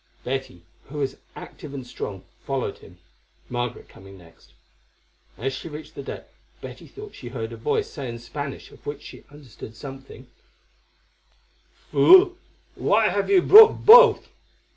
Betty, who was active and strong, followed him, Margaret coming next. As she reached the deck Betty thought she heard a voice say in Spanish, of which she understood something, "Fool! Why have you brought both?"